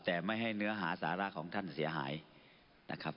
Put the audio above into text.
แต่ไม่ให้เนื้อหาสาระของท่านเสียหายนะครับ